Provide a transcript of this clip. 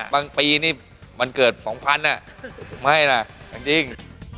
บางปีนี่มันเกิด๒๐๐๐บาทไม่ล่ะจริง